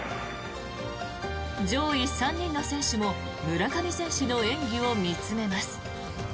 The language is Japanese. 上位３人の選手も村上選手の演技を見つめます。